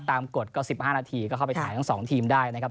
กฎก็๑๕นาทีก็เข้าไปถ่ายทั้ง๒ทีมได้นะครับ